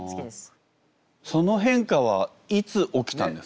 その変化はいつ起きたんですか？